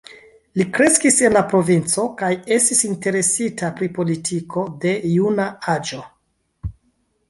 Li kreskis en la provinco, kaj estis interesita pri politiko de juna aĝo.